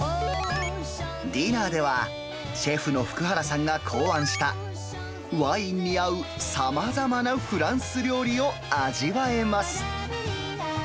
ディナーでは、シェフの福原さんが考案した、ワインに合うさまざまなフランス料理を味わえます。